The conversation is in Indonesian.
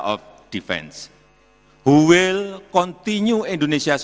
yang akan terus berkomitmen indonesia